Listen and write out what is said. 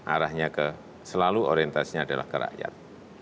arahnya ke selalu orientasinya adalah ke rakyat